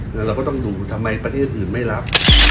แล้วเราก็ต้องดูทำไมประเทศอื่นไม่รับ